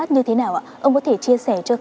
tầng hầm là một cái hệ thống